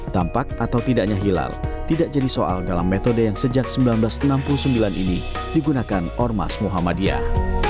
tampak atau tidaknya hilal tidak jadi soal dalam metode yang sejak seribu sembilan ratus enam puluh sembilan ini digunakan ormas muhammadiyah